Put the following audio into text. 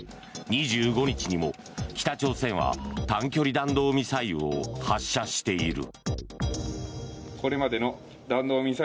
２５日にも北朝鮮は短距離弾道ミサイルを発射している。